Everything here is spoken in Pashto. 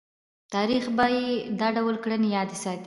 تاریخ به یې دا ډول کړنې یاد ساتي.